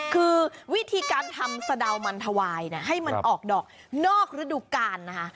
คือวิธีการทำสะดาวมันถวายให้มันออกดอกนอกระดูกาลนะคะ